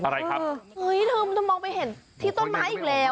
อะไรครับเฮ้ยเธอมันจะมองไปเห็นที่ต้นไม้อีกแล้ว